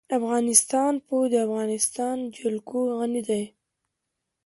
افغانستان په د افغانستان جلکو غني دی.